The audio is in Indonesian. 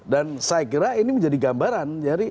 dan saya kira ini menjadi gambaran